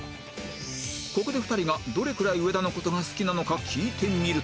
ここで２人がどれくらい上田の事が好きなのか聞いてみると